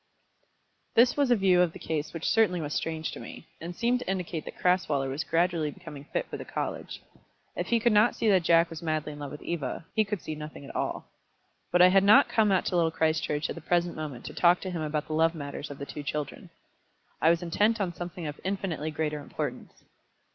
This was a view of the case which certainly was strange to me, and seemed to indicate that Crasweller was gradually becoming fit for the college. If he could not see that Jack was madly in love with Eva, he could see nothing at all. But I had not come out to Little Christchurch at the present moment to talk to him about the love matters of the two children. I was intent on something of infinitely greater importance.